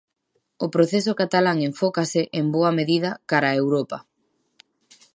O proceso catalán enfócase, en boa medida, cara a Europa.